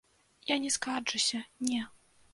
Я не скарджуся, не.